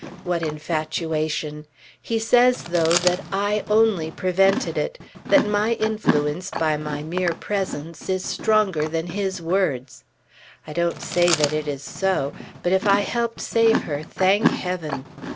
What infatuation! He says, though, that I only prevented it; that my influence, by my mere presence, is stronger than his words. I don't say that is so; but if I helped save her, thank Heaven!